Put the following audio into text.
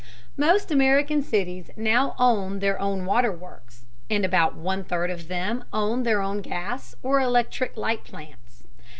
Most American cities now own their own waterworks, and about one third of them own their own gas or electric light plants.